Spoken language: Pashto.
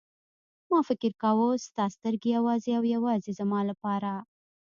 ما فکر کاوه ستا سترګې یوازې او یوازې زما لپاره.